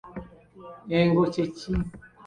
Engo kye ki?